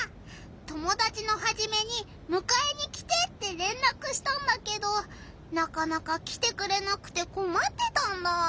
友だちのハジメに「むかえに来て！」ってれんらくしたんだけどなかなか来てくれなくてこまってたんだ。